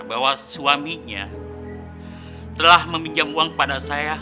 bahwa suaminya telah meminjam uang kepada saya